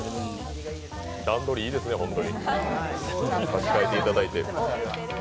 段取りいいですね、ホントに差し替えていただいて。